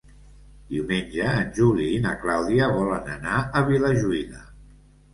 Diumenge en Juli i na Clàudia volen anar a Vilajuïga.